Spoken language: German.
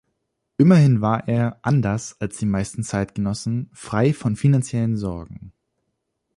Immerhin war er, anders als die meisten Zeitgenossen, frei von finanziellen Sorgen.